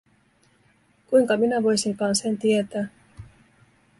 Kuinka minä voisinkaan sen tietää?